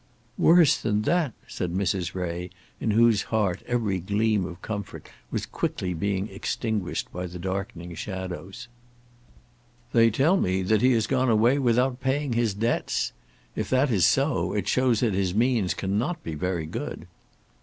"Worse than that!" said Mrs. Ray, in whose heart every gleam of comfort was quickly being extinguished by darkening shadows. "They tell me that he has gone away without paying his debts. If that is so, it shows that his means cannot be very good."